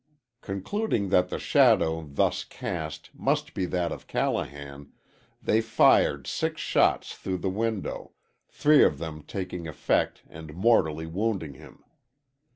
Concluding that the shadow thus cast must be that of Callahan, they fired six shots through the window, three of them taking effect and mortally wounding him.